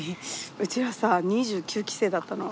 うちらさ２９期生だったの。